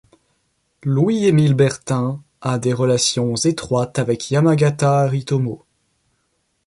Louis Émile Bertin a des relations étroites avec Yamagata Aritomo.